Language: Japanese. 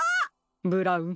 ブラウン